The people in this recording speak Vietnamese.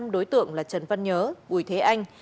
đối tượng là trần văn nhớ bùi thế anh